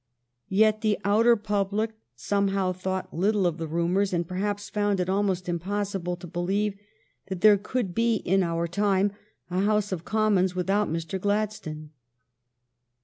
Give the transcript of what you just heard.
Yet the outer public somehow thought little of the rumors, and perhaps found it almost impossible to believe that there could be in our time a House of Commons without Mr. Gladstone.